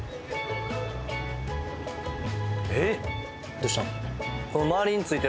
どうしたん？